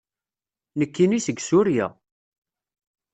Nekkini seg Surya.